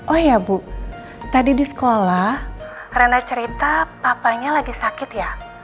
oh ya bu tadi di sekolah rena cerita papanya lagi sakit ya